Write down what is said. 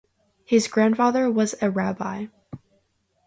His grandfather was a rabbi.